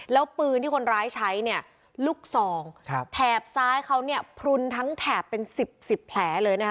แล้วปืนที่คนร้ายใช้เนี่ยลูกซองแถบซ้ายเขาเนี่ยพลุนทั้งแถบเป็นสิบสิบแผลเลยนะคะ